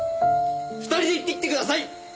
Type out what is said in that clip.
２人で行ってきてください！